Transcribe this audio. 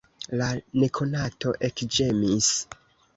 La nekonato ekĝemis.